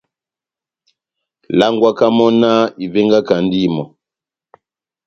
Langwaka mɔ́ náh ivengakandi mɔ́.